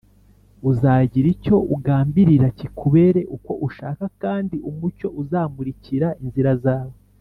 uzagira icyo ugambirira kikubere uko ushaka, kandi umucyo uzamurikira inzira zawe